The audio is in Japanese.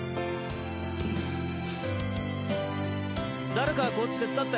誰かこっち手伝って。